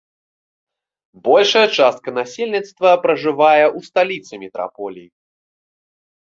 Большая частка насельніцтва пражывае ў сталіцы метраполіі.